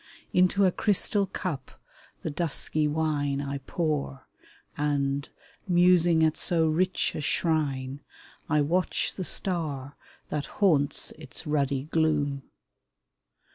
Into a crystal cup the dusky wine I pour, and, musing at so rich a shrine, I watch the star that haunts its ruddy gloom.